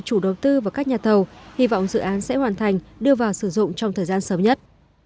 chủ đầu tư và các nhà thầu hy vọng dự án sẽ hoàn thành đưa vào sử dụng trong thời gian sớm nhất